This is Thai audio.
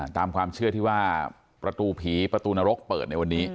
ตามความเชื่อที่ว่าประตูผีประตูนรกเปิดในวันนี้